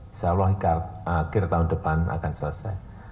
insyaallah akhir tahun depan akan selesai